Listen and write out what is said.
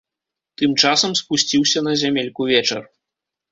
Тым часам спусціўся на зямельку вечар.